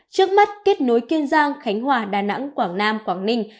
trước mắt kết nối kiên giang khánh hòa đà nẵng quảng nam quảng ninh